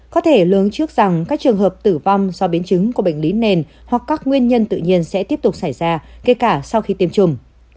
có thể lớn trước rằng các trường hợp tử vong do biến chứng của bệnh lý nền hoặc các nguyên nhân tự nhiên sẽ tiếp tục xảy ra kể cả sau khi tiêm chủng